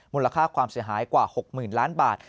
มูลค่าความเสียหายกว่า๖๐๐๐ล้านบาท